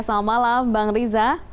selamat malam bang riza